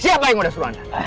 siapa yang mudah suruh anda